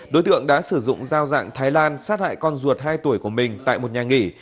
đối tượng đã sử dụng dao dạng thái lan sát hại con ruột hai tuổi của mình tại một nhà nghỉ